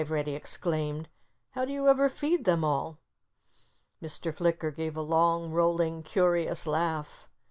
Reddy exclaimed. "How do you ever feed them all?" Mr. Flicker gave a long, rolling, curious laugh.